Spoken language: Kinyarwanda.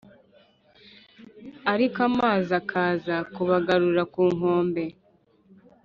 ariko amazi akaza kubagarura ku nkombe